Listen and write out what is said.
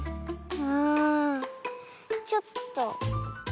うんちょっと。